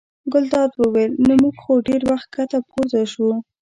ګلداد وویل: نو موږ خو ډېر وخت ښکته پورته شوو.